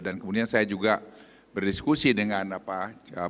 dan kemudian saya juga berdiskusi dengan si chang yong ri